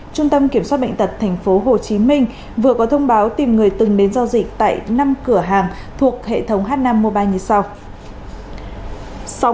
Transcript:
trung tâm kiểm soát bệnh tật tp hcm vừa có thông báo tìm người từng đến giao dịch tại năm cửa hàng thuộc hệ thống h năm mobile như sau